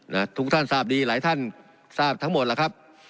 นะทุกท่านทราบดีหลายท่านทราบทั้งหมดแล้วครับ